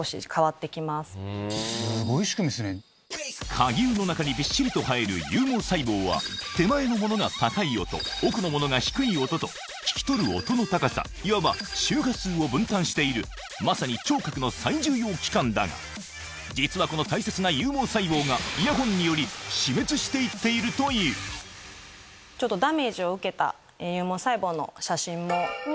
蝸牛の中にびっしりと生える有毛細胞は手前のものが高い音奥のものが低い音と聞き取る音の高さいわば周波数を分担しているまさに聴覚の最重要器官だが実はこの大切な有毛細胞がダメージを受けた有毛細胞の写真。